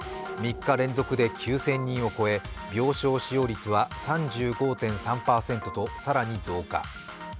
３日連続で９０００人を超え病床使用率は３５．３％と更に増加。